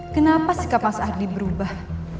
kenapa sikap mas ardi berubah